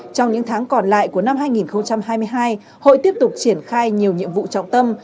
trong những tháng còn lại của năm hai nghìn hai mươi hai hội tiếp tục triển khai nhiều nhiệm vụ trọng tâm